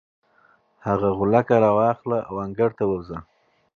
هغه غولکه راواخله او انګړ ته ووځه.